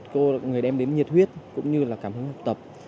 cô người đem đến nhiệt huyết cũng như là cảm hứng học tập